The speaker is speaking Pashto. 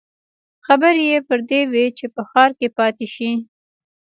خبرې يې پر دې وې چې په ښار کې پاتې شي.